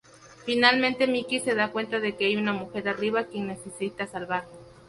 Finalmente Mickey se da cuenta de que hay una mujer arriba quien necesita salvar.